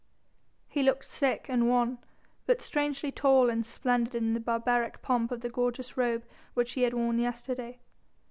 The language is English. He looked sick and wan, but strangely tall and splendid in the barbaric pomp of the gorgeous robe which he had worn yesterday.